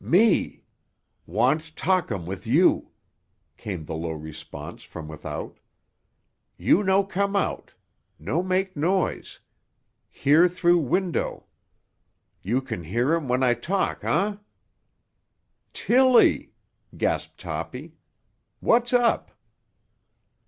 "Me. Want talk um with you," came the low response from without. "You no come out. No make noise. Hear through window. You can hear um when I talk huh?" "Tilly!" gasped Toppy. "What's up?"